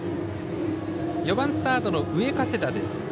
４番、サードの上加世田。